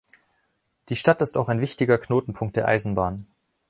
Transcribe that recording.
Die Stadt ist auch ein wichtiger Knotenpunkt der Eisenbahn.